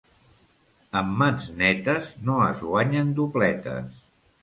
Amb mans netes no es guanyen dobletes.